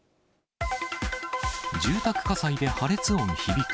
住宅火災で破裂音響く。